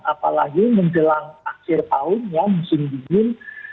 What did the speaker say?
apalagi menjelang akhir tahun ya musim dingin